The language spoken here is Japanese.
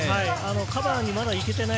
カバーに行けていない。